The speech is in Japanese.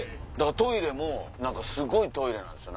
トイレもすごいトイレなんすよ。